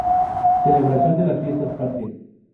Celebración de las fiestas patrias.